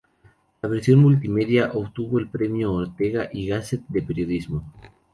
La versión multimedia obtuvo el premio Ortega y Gasset de Periodismo.